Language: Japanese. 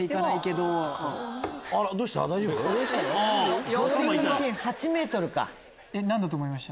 どうした？